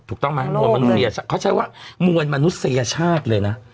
ถูกต้องไหมมวลมนุษยเขาใช้ว่ามวลมนุษยชาติเลยนะ